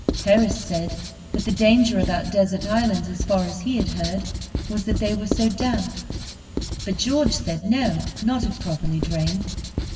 Harris said that the danger about desert islands, as far as he had heard, was that they were so damp: but George said no, not if properly drained.